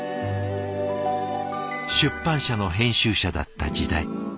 出版社の編集者だった時代。